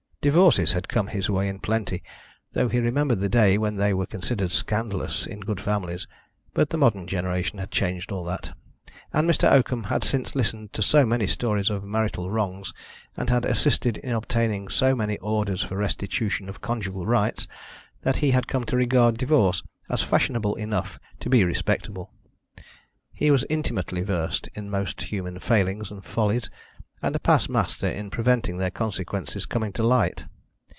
Divorces had come his way in plenty, though he remembered the day when they were considered scandalous in good families. But the modern generation had changed all that, and Mr. Oakham had since listened to so many stories of marital wrongs, and had assisted in obtaining so many orders for restitution of conjugal rights, that he had come to regard divorce as fashionable enough to be respectable. He was intimately versed in most human failings and follies, and a past master in preventing their consequences coming to light.